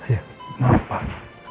ya maaf pak